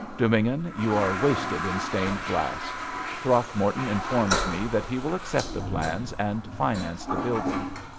Dubignon, you are wasted in stained glass. Throckmorton in forms me that he will accept the plans and finance the building.